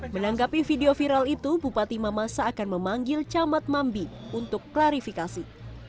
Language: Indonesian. menanggapi video viral itu bupati mamasa akan memanggil camat mambi untuk klarifikasi